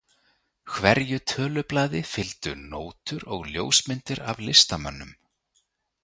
Hverju tölublaði fylgdu nótur og ljósmyndir af listamönnum.